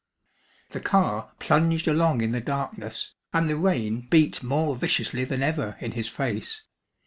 The car plunged along in the darkness, and the rain beat more viciously than ever in his face.